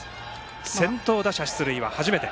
先頭打者出塁は初めて。